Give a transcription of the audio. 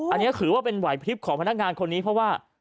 อันนี้ถือว่าเป็นไหวพลิบของพนักงานคนนี้เพราะว่า